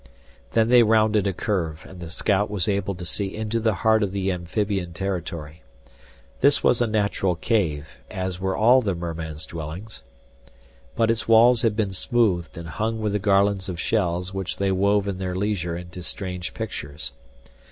Then they rounded a curve, and the scout was able to see into the heart of the amphibian territory. This was a natural cave, as were all the merman's dwellings, but its walls had been smoothed and hung with the garlands of shells which they wove in their leisure into strange pictures.